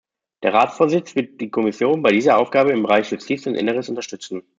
Der Ratsvorsitz wird die Kommission bei dieser Aufgabe im Bereich Justiz und Inneres unterstützen.